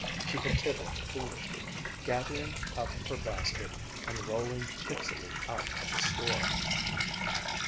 she had tittered foolishly, gathering up her basket and rolling tipsily out of the store.